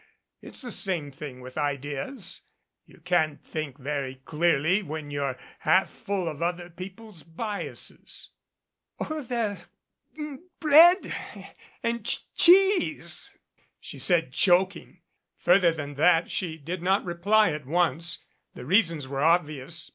It's the same thing with ideas. You can't 131 MADCAP think very clearly when you're half full of other people's biases." "Or their b bread and ch cheese !" she said, choking. Further than that she did not reply at once. The reasons were obvious.